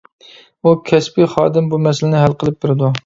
ئۇ كەسپى خادىم بۇ مەسىلىنى ھەل قىلىپ بېرىدۇ.